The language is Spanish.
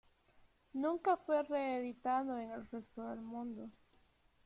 Nunca fue re-editado en el resto del mundo.